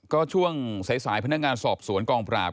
ก็ช่วงสายพนักงานสอบสวนกองปราบ